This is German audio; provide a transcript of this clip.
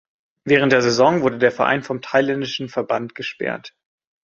Während der Saison wurde der Verein vom thailändischen Verband gesperrt.